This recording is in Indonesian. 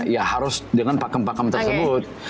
ya harus dengan pakem pakem tersebut